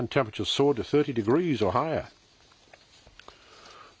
そうですね。